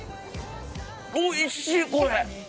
おいしい、これ。